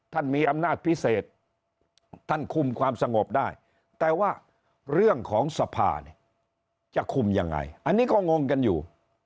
ท่านมีอำนาจพิเศษท่านคุมความสงบได้แต่ว่าเรื่องของสภาเนี่ยจะคุมยังไงอันนี้ก็งงกันอยู่